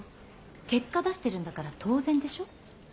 結果出してるんだから当然でしょ。